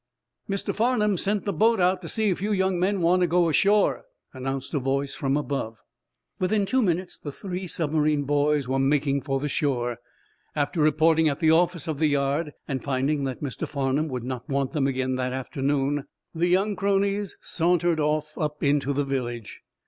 "Mr. Farnum sent the boat out, to see if you young men want to go ashore," announced a voice from above. Within two minutes the three submarine boys were making for the shore. After reporting at the office of the yard, and finding that Mr. Farnum would not want them again that afternoon, the young cronies sauntered off up into the village.